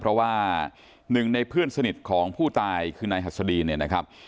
เพราะว่าหนึ่งในเพื่อนสนิทของผู้ตายคือนายหัสดีเนี่ยนะครับ